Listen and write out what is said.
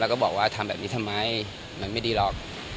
แล้วก็บอกว่าทำแบบนี้ทำไมมันไม่ดีหรอก